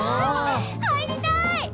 入りたい！